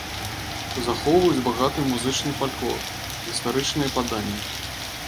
Захоўваюць багаты музычны фальклор, гістарычныя паданні.